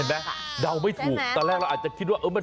เห็นมั้ยเดาไม่ถูกตอนแรกฉันคิดว่า